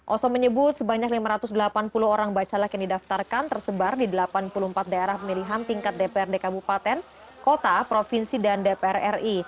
oso menyebut sebanyak lima ratus delapan puluh orang bacalek yang didaftarkan tersebar di delapan puluh empat daerah pemilihan tingkat dprd kabupaten kota provinsi dan dpr ri